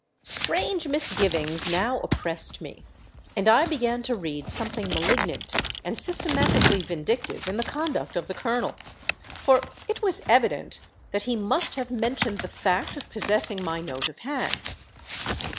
"Strange misgivings now oppressed me; and I began to read something malignant and systematically vindictive in the conduct of the Colonel; for it was evident that he must have mentioned the fact of possessing my note of hand.